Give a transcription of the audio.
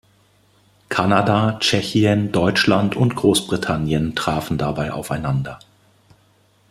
Kanada, Tschechien, Deutschland und Großbritannien trafen dabei aufeinander.